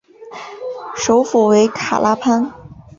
首府为卡拉潘。